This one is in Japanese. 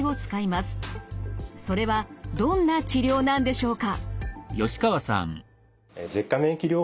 それはどんな治療なんでしょうか？